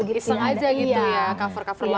iseng aja gitu ya cover cover lagi